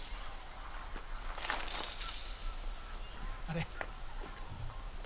あれ？